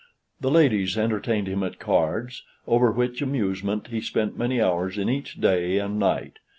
The ladies entertained him at cards, over which amusement he spent many hours in each day and night.